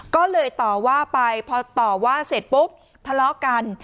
ก็เลยต่อว่าไปพอต่อว่าเสร็จปุ๊บทะเลาะกัน